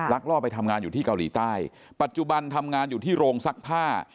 ล่อไปทำงานอยู่ที่เกาหลีใต้ปัจจุบันทำงานอยู่ที่โรงซักผ้า